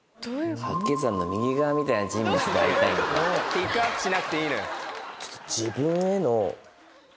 ピックアップしなくていい！